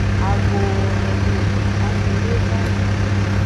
Agooo no mi; ame ne va.